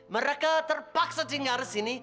mereka terpaksa tinggal di sini